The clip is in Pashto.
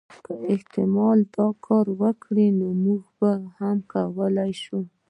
که احتمالا دا کار وکړي نو موږ هم کولای شو.